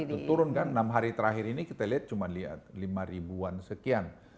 itu turun kan enam hari terakhir ini kita lihat cuma lihat lima ribuan sekian